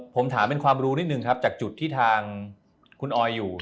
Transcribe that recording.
ผมถามเป็นความรู้นิดนึงครับจากจุดที่ทางคุณออยอยู่